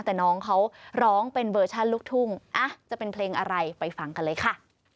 แต่น้องเขาร้องเป็นเวอร์ชันลูกทุ่งจะเป็นเพลงอะไรไปฟังกันเลยค่ะ